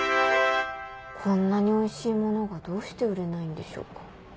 こんなにおいしいものがどうして売れないんでしょうか？